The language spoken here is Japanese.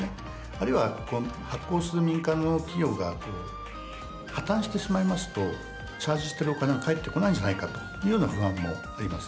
あるいは発行する民間の企業が破綻してしまいますとチャージしているお金が返ってこないんじゃないかというような不安もあります。